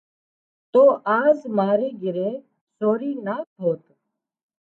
تو آز ماري گھري سورِي نا ٿوت